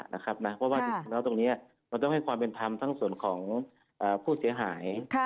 เพราะว่าจริงแล้วตรงนี้มันต้องให้ความเป็นธรรมทั้งส่วนของผู้เสียหาย